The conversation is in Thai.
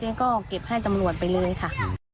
ก็เก็บให้ตำรวจไปเลยค่ะ